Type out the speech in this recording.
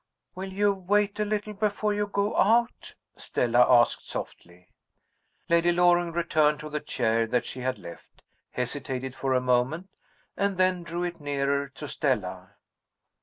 "Will you wait a little before you go out?" Stella asked softly. Lady Loring returned to the chair that she had left hesitated for a moment and then drew it nearer to Stella.